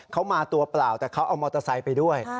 เขามาตัวเปล่าแต่เขาเอามอเตอร์ไซค์ไปด้วย